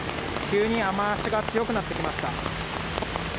急に雨足が強くなってきました。